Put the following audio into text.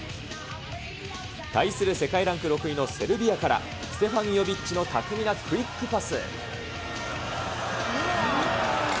対する世界ランク６位のセルビアから、ステファン・ヨビッチの巧みなクイックパス。